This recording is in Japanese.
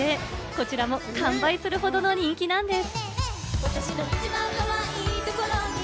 こちらも完売するほどの人気なんです。